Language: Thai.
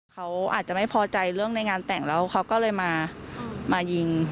เขาอาจจะไม่พอใจเรื่องในงานแต่งแล้วเขาก็เลยมายิง